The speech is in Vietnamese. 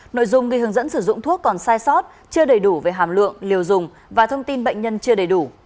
nội dung ghi hướng dẫn sử dụng thuốc còn sai sót chưa đầy đủ về hàm lượng liều dùng và thông tin bệnh nhân chưa đầy đủ